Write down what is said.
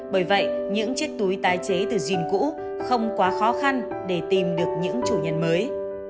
bởi vậy những chiếc túi tái chế từ jean cũ không quá khó khăn để tìm được những chủ nhân mới